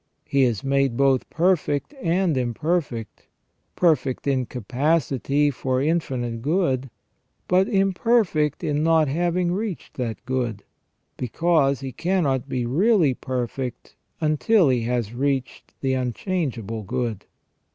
He is made both perfect and imperfect ; perfect in capacity for infinite good, but imperfect in not having reached that good ; because he cannot be really perfect until he has reached the unchangeable good.